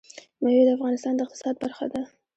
مېوې د افغانستان د اقتصاد برخه ده.